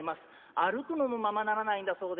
歩くのもままならないんだそうで」。